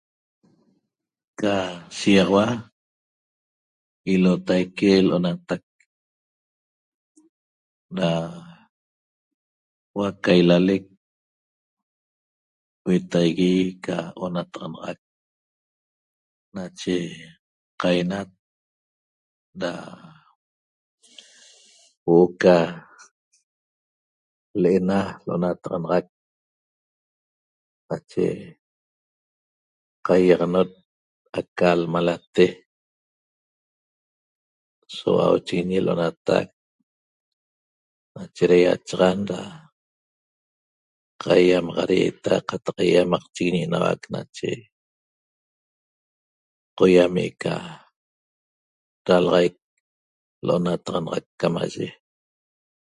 Ca shigaxaua iloitaque lo'onatac ra huo'o ca ilalec huetaigui ca onataxanaxac nache qainat da huo'o ca le'ena lo'onataxanaxac nache qaiaxanot aca lmalate so hua'uchiguiñi lo'onatac nache ra iachaxan qaiaiamaxareta qataq iaiamacchiguiñi enauac nache qoiami' ca ralaxaic lo'onataxanaxac camaye